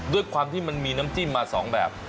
ด้วยความที่มันมีน้ำจิ้มมา๒แบบ